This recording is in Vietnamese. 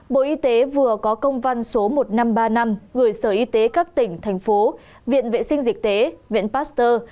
bộ y tế vừa có công văn số một nghìn năm trăm ba mươi năm gửi sở y tế các tỉnh thành phố viện vệ sinh dịch tế viện pasteur